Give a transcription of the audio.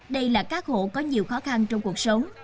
đây là các hộ có nhiều khó khăn trong cuộc sống